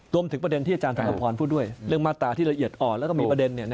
ประเด็นที่อาจารย์ธนพรพูดด้วยเรื่องมาตราที่ละเอียดอ่อนแล้วก็มีประเด็น